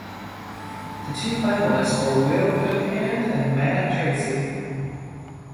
The two finalists were Will Goodhand and Matt Treacy.